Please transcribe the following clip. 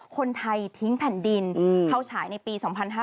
คนไทยทิ้งแผ่นดินเข้าฉายในปี๒๕๕๙